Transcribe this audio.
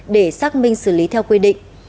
để xác minh xử lý theo quy định